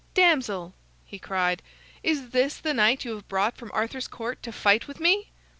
"Damsel," he cried, "is this the knight you have brought from Arthur's Court to fight with me?"